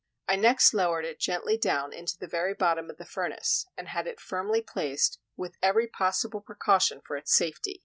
I next lowered it gently down into the very bottom of the furnace, and had it firmly placed with every possible precaution for its safety.